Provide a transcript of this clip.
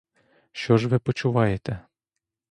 Що ж ви почуваєте?